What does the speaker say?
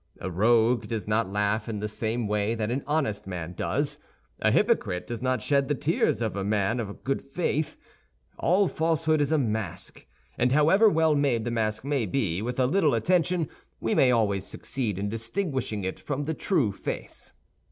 A rogue does not laugh in the same way that an honest man does; a hypocrite does not shed the tears of a man of good faith. All falsehood is a mask; and however well made the mask may be, with a little attention we may always succeed in distinguishing it from the true face.